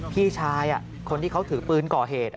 พี่ชายคนที่เขาถือปืนก่อเหตุ